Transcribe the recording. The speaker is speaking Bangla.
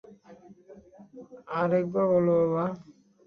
আরেকবার বলো বাবা।